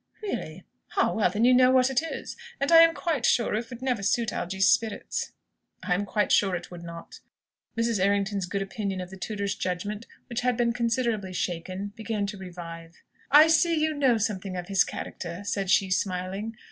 "Really? Ah well, then you know what it is. And I am quite sure it would never suit Algy's spirits." "I am quite sure it would not." Mrs. Errington's good opinion of the tutor's judgment, which had been considerably shaken, began to revive. "I see you know something of his character," said she, smiling.